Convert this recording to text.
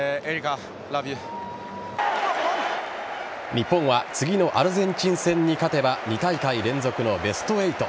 日本は次のアルゼンチン戦に勝てば２大会連続のベスト８。